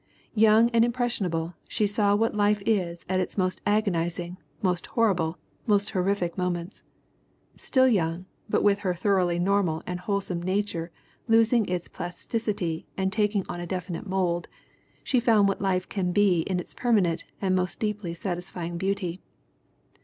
Young and impressionable, she saw what life is at its most agonizing, most horrible, most heroic moments. Still young, but with her thoroughly normal and wholesome nature losing its plasticity and taking on a definite mold, she found what life can be in its permanent and most deeply satisfying beauty.